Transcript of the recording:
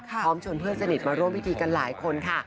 พร้อมชวนเพื่อนสนิทมาร่วมพิธีกันหลายคนค่ะ